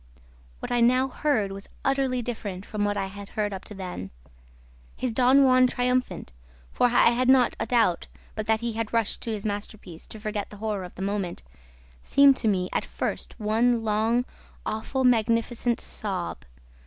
What I now heard was utterly different from what I had heard up to then. His Don Juan Triumphant (for I had not a doubt but that he had rushed to his masterpiece to forget the horror of the moment) seemed to me at first one long, awful, magnificent sob.